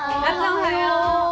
おはよう。